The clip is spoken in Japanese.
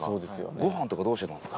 ごはんとかどうしてたんですか？